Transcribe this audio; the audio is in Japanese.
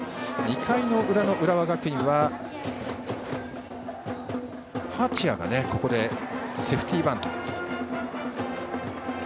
２回の裏の浦和学院は八谷がここでセーフティーバント。